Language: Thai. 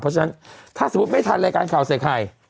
เพราะฉะนั้นถ้าสมมุติไม่ทันรายการข่าวใส่ไข่